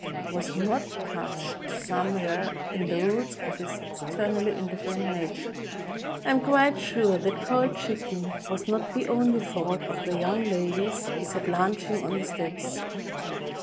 was not touched some where in the roots of his externally indifferent nature. I am quite sure that cold chicken was not the only 65 EGYPT thought of the young ladies who sat lunching on the steps.